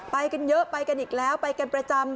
ไปกันเยอะไปกันอีกแล้วไปกันประจำ